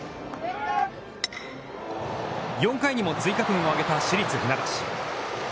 ４回にも追加点を挙げた市立船橋。